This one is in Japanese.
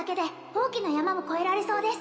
大きな山も越えられそうです